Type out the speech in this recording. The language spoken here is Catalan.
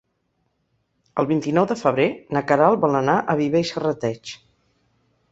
El vint-i-nou de febrer na Queralt vol anar a Viver i Serrateix.